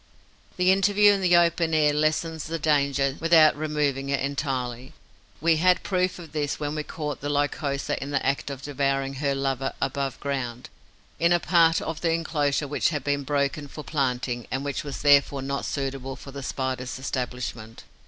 The interview in the open air lessens the danger without removing it entirely. We had proof of this when we caught the Lycosa in the act of devouring her lover aboveground, in a part of the enclosure which had been broken for planting and which was therefore not suitable for the Spider's establishment.